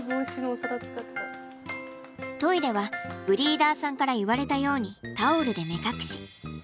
トイレはブリーダーさんから言われたようにタオルで目隠し。